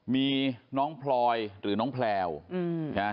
มีน้องพลอยหรือน้องแพลวนะฮะ